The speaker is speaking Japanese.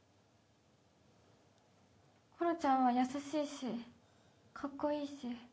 ころちゃんは優しいしカッコいいし